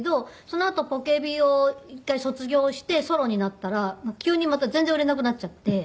そのあとポケビを一回卒業してソロになったら急にまた全然売れなくなっちゃって。